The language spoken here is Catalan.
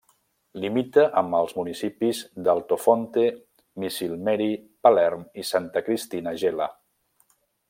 Limita amb els municipis d'Altofonte, Misilmeri, Palerm i Santa Cristina Gela.